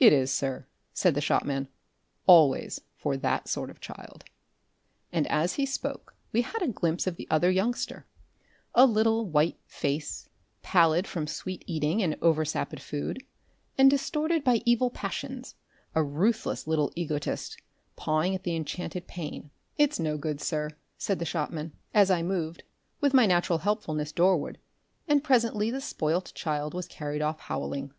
"It is, sir," said the shopman, "always for that sort of child," and as he spoke we had a glimpse of the other youngster, a little, white face, pallid from sweet eating and over sapid food, and distorted by evil passions, a ruthless little egotist, pawing at the enchanted pane. "It's no good, sir," said the shopman, as I moved, with my natural helpfulness, doorward, and presently the spoilt child was carried off howling.